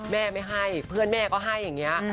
แม่ไม่ให้เพื่อนแม่ก็ให้อย่างนี้